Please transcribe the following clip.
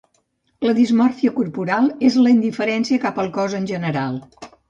La dismòrfia corporal és la indiferència cap al cos en general.